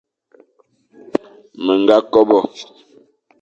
Me ñga kobe,